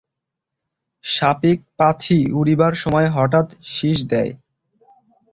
শাপিক পাথি উড়িবার সময় হঠাৎ শিস দেয়।